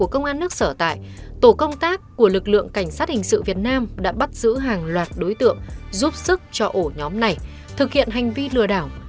các nạn nhân vẫn sập bẫy dù đã được cảnh báo